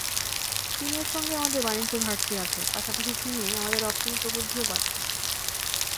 চীনের সঙ্গে আমাদের বাণিজ্য ঘাটতি আছে, পাশাপাশি চীনে আমাদের রপ্তানি প্রবৃদ্ধিও বাড়ছে।